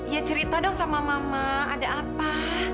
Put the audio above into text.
ya cerita dong sama mama ada apa